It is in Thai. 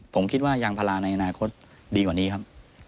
ผมคิดว่ายางพาราในอนาคตดีกว่านี้ครับ